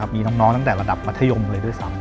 มีน้องตั้งแต่ระดับมัธยมเลยด้วยซ้ำ